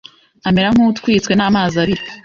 amera nk’utwitswe n'amazi abira